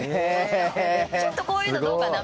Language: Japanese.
ちょっとこういうのどうかな？